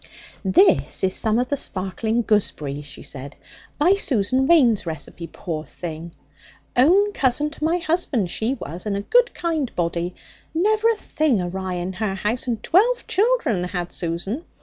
'This is some of the sparkling gooseberry,' she said, 'by Susan Waine's recipe, poor thing! Own cousin to my husband she was, and a good kind body. Never a thing awry in her house, and twelve children had Susan.